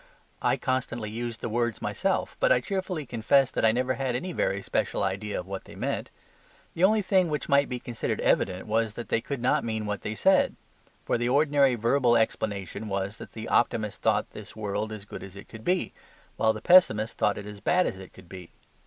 I constantly used the words myself, but I cheerfully confess that I never had any very special idea of what they meant. The only thing which might be considered evident was that they could not mean what they said; for the ordinary verbal explanation was that the optimist thought this world as good as it could be, while the pessimist thought it as bad as it could be.